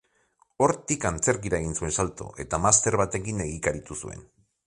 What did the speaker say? Hortik antzerkira egin zuen salto, eta master batekin egikaritu zuen.